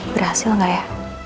berhasil gak ya